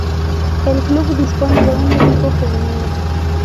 El club dispone de un equipo femenino